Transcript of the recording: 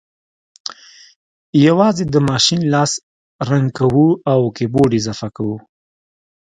یوازې د ماشین لاس رنګ کوو او کیبورډ اضافه کوو